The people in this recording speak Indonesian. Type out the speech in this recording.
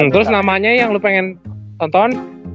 terus namanya yang lo pengen tonton